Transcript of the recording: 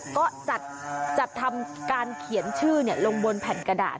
ก็จัดทำการเขียนชื่อลงบนแผ่นกระดาษ